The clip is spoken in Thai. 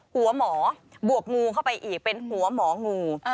หัวหมอบวกงูเข้าไปอีกเป็นหัวหมองู